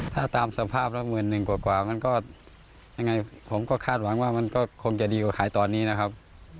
ถ้าตามสภาพแล้วหมื่นหนึ่งกว่ามันก็ยังไงผมก็คาดหวังว่ามันก็คงจะดีกว่าขายตอนนี้นะครับ